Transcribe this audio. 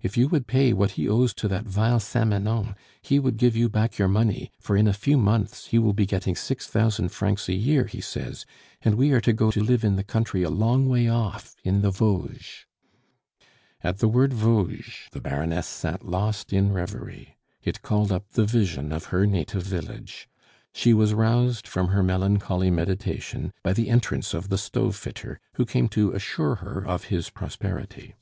If you would pay what he owes to that vile Samanon, he would give you back your money, for in a few months he will be getting six thousand francs a year, he says, and we are to go to live in the country a long way off, in the Vosges." At the word Vosges the Baroness sat lost in reverie. It called up the vision of her native village. She was roused from her melancholy meditation by the entrance of the stove fitter, who came to assure her of his prosperity.